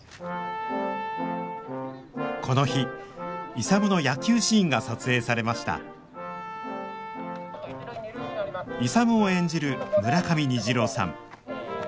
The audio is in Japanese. この日勇の野球シーンが撮影されました勇を演じる村上虹郎さん